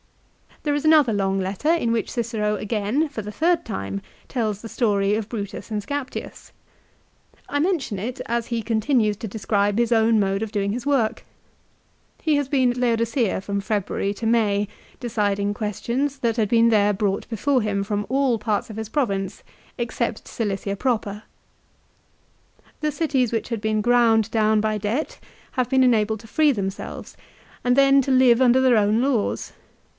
There is another long letter in which Cicero again, for the third time, tells the story of Brutus and Scaptius. 1 I men tion it, as he continues to describe his own mode of doing his work. He has been at Laodicea from February to May, deciding questions that had been there brought before him from all parts of his province except Cilicia proper. The cities which had been ground down by debt have been enabled to free themselves, and then to live under their own laws.